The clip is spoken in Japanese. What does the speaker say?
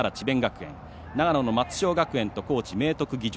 長野の松商学園と高知・明徳義塾。